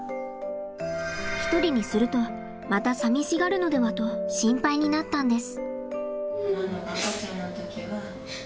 １人にするとまたさみしがるのではと心配になったんです。